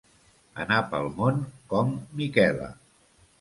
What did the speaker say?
Anar pel món com Miquela.